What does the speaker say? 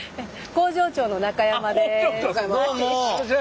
工場長の中山です。